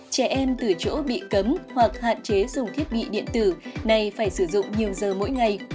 trẻ em từ chỗ bị cấm hoặc hạn chế dùng thiết bị điện tử này phải sử dụng nhiều giờ mỗi ngày